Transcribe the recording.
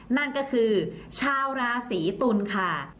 นั่นก็คือชาวราศีตุลค่ะ